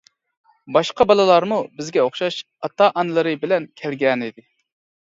باشقا بالىلارمۇ بىزگە ئوخشاش ئاتا-ئانىلىرى بىلەن كەلگەنىدى.